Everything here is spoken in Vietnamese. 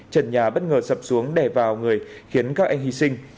trần nhà bất ngờ sập xuống đè vào người khiến các anh hy sinh